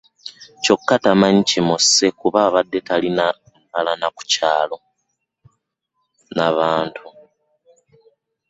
Kyokka tamanyi kimusse kuba abadde talina mpalana ku kyalo na bantu